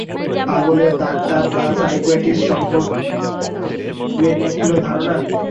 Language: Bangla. পাগলের ডাক্তার বা সাইকিয়াটিস্ট সম্পর্কে আফসার সাহেবের এই ছিল ধারণা।